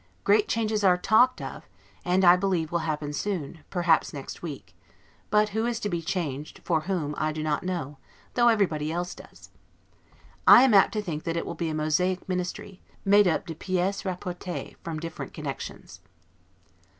Great changes are talked of, and, I believe, will happen soon, perhaps next week; but who is to be changed, for whom, I do not know, though everybody else does. I am apt to think that it will be a mosaic Ministry, made up 'de pieces rapportees' from different connections.